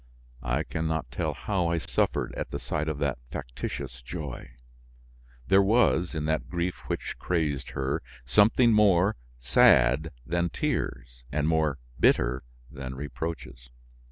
I can not tell how I suffered at the sight of that factitious joy; there was, in that grief which crazed her, something more sad than tears and more bitter than reproaches.